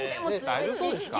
大丈夫そうですか？